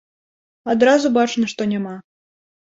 Адразу бачна, што няма.